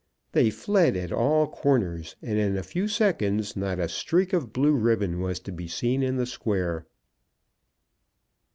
They fled at all corners, and in a few seconds not a streak of blue ribbon was to be seen in the square.